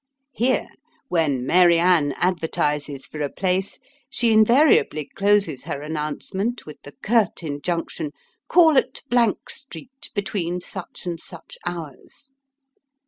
Here, when Mary Anne advertises for a place, she invariably closes her announce ment with the curt injunction, ^* Call at Blank Street, between such and such hours.'